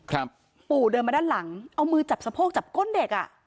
ปู่เดินมาด้านหลังเอามือจับสะโพกจับก้นเด็กอ่ะ